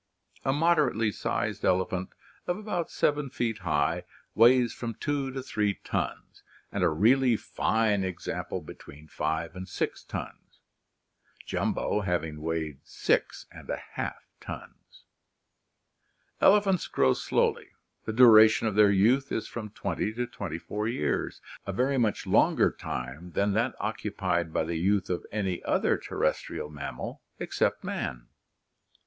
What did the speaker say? A moderately sized elephant, of about 7 feet high, weighs from 2 to 3 tons, and a really fine example be tween 5 and 6 tons, Jumbo [see Plate XXI] having weighed 6}4 tons. Elephants grow slowly; the duration of their youth is from twenty to twenty four years, a very much longer time than that occupied by the youth of any other terrestrial mammal except man.